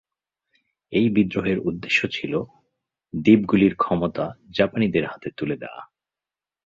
এই বিদ্রোহের উদ্দেশ্য ছিল দ্বীপগুলির ক্ষমতা জাপানিদের হাতে তুলে দেওয়া।